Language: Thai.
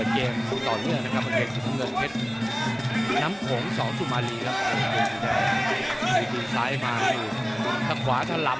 ตรงนี้ออกมาแก้เลยนะครับแดงพอที่โกฟออกมาใช้ตีนซ้ายตีนหน้าเลยนะครับ